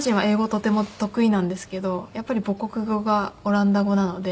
とても得意なんですけどやっぱり母国語がオランダ語なので。